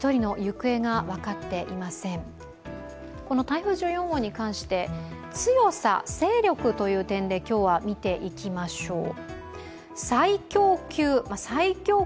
台風１４号に関して、強さ勢力という点で今日は見ていきましょう。